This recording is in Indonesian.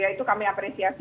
itu kami apresiasi